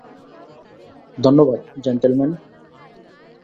ধন্যবাদ, জেন্টলম্যান।